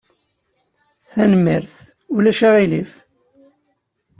Tanemmirt. Ulac aɣilif!